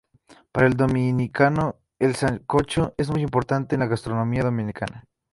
Para el dominicano el sancocho es muy importante en la gastronomía Dominicana.